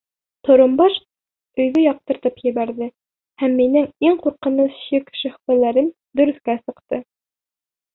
Торомбаш өйҙө яҡтыртып ебәрҙе һәм минең иң ҡурҡыныс шик-шөһбәләрем дөрөҫкә сыҡты.